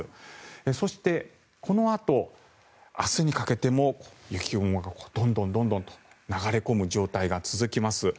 そして、このあと明日にかけても雪雲がどんどんと流れ込む状態が続きます。